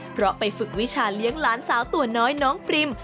เพราะไปฝึกวิชาเลี้ยงหลานสาวตัวน้อยน้องปริม